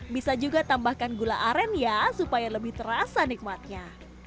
bisa juga tambahkan gula aren ya supaya lebih terasa nikmatnya